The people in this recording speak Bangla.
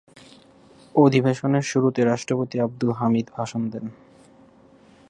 অধিবেশনের শুরুতে রাষ্ট্রপতি আব্দুল হামিদ ভাষণ দেন।